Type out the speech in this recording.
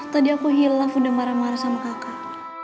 tadi aku hilaf udah marah marah sama kakak